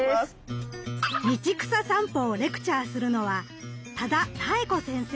道草さんぽをレクチャーするのは多田多恵子先生。